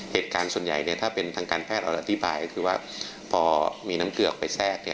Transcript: เหตุการณ์ส่วนใหญ่ถ้าเป็นทางการแพทย์เราอธิบายก็คือว่าพอมีน้ำเกลือกไปแทรก